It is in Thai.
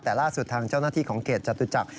แต่ล่าสุดทางเจ้าหน้าที่ของเขตจตุจักร